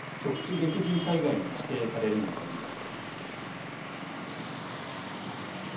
激甚災害に指定される見込みです。